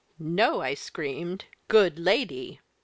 'No,' I screamed, 'good lady!'